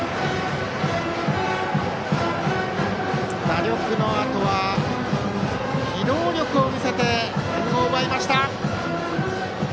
打力のあとは機動力を見せて点を奪いました。